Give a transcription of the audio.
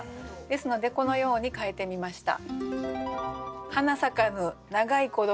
ですのでこのように変えてみました。